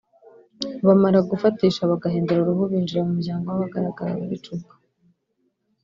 ’ Bamara gufatisha bagahindura uruhu binjira mu muryango w’abagaragu b’icupa